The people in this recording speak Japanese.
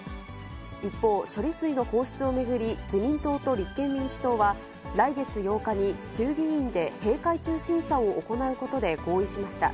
一方、処理水の放出を巡り、自民党と立憲民主党は、来月８日に衆議院で閉会中審査を行うことで合意しました。